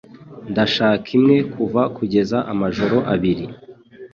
Ndashaka imwe kuva kugeza amajoro abiri.